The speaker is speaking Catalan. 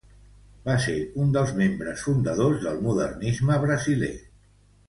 Va ser un dels membres fundadors del modernisme brasiler.